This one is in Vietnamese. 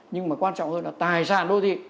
nhưng mà quan trọng hơn là tài sản đô thị